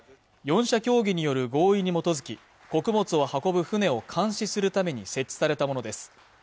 ４者協議による合意にもとづき穀物を運ぶ船を監視するために設置されたものです